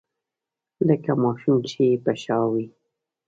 لکه ماشوم چې يې په شا وي.